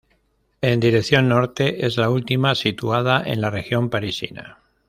En dirección norte es la última situada en la región parisina.